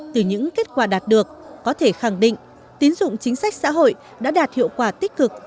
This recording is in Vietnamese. từ những kết quả đạt được có thể khẳng định tín dụng chính sách xã hội đã đạt hiệu quả tích cực